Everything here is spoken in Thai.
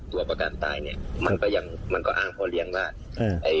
ตัวประการตายมันก็อ้างพ่อเลี้ยงบ้าน